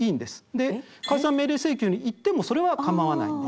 で解散命令請求にいってもそれは構わないんです。